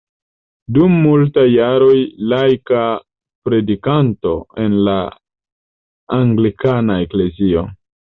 Dum multaj jaroj laika predikanto en la anglikana eklezio.